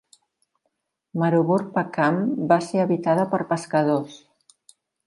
Maruvurpakkam va ser habitada per pescadors.